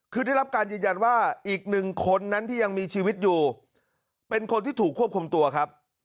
คือได้รับการยืนยันว่าอีกหนึ่งคนนั้นที่ยังมีชีวิตอยู่เป็นคนที่ถูกควบคุมตัวครับ